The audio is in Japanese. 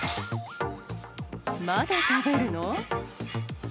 まだ食べるの？